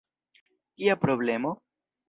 Kia problemo?